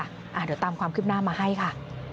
เดี๋ยวตามความคืบหน้ามาให้ค่ะ